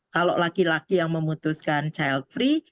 kalau laki laki yang memutuskan child free